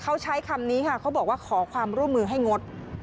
เขาใช้คำนี้ค่ะเขาบอกว่าขอความร่วมมือให้งด